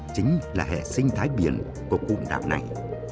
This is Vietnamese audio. chính là hệ sinh thái biển của cụm đảo này